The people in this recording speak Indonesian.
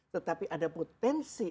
tetapi ada potensi